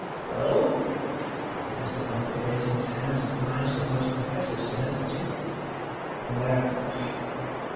"Well!" said Mr. Bumble, raising his hands and eyes with most impressive solemnity. "Well!